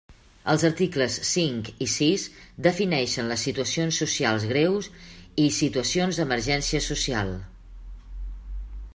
Els articles cinc i sis defineixen les situacions socials greus i situacions d'emergència social.